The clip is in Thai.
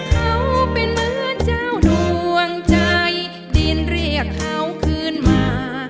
เขาเป็นเหมือนเจ้าดวงใจดินเรียกเขาขึ้นมา